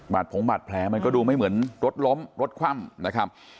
ผงบาดแผลมันก็ดูไม่เหมือนรถล้มรถคว่ำนะครับ